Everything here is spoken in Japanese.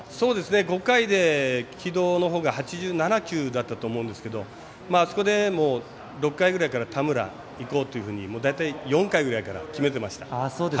５回で城戸のほうが８７球だったと思うんですけどあそこでも、６回ぐらいから田村いこうというふうに大体、４回ぐらいから決めてました。